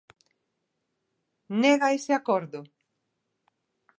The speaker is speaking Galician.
¿Nega ese acordo?